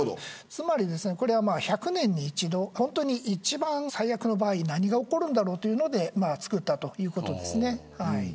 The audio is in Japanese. つまり、これは１００年に一度一番最悪の場合に何が起こるのかということで作ったということです。